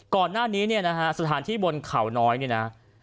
ก่อนหน้านี้เนี่ยนะฮะสถานที่บนเขาน้อยเนี่ยนะ